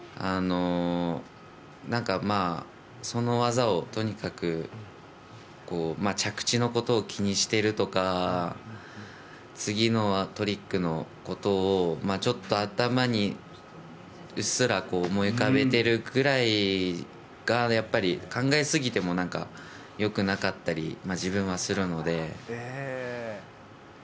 なんか、その技をとにかく、着地のことを気にしてるとか、次のトリックのことを、ちょっと頭にうっすら思い浮かべてるぐらいが、やっぱり、考えすぎてもなんか、よくなかったり、自分はするので。